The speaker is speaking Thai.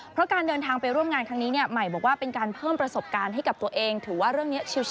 เพราะการเดินทางไปร่วมงานครั้งนี้เนี่ยใหม่บอกว่าเป็นการเพิ่มประสบการณ์ให้กับตัวเองถือว่าเรื่องนี้ชิล